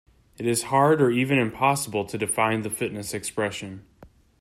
It is hard or even impossible to define the fitness expression.